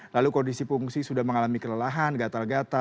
lalu kondisi pengungsi sudah mengalami kelelahan gatal gatal